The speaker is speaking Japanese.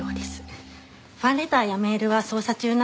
ファンレターやメールは捜査中なのでお見せできません。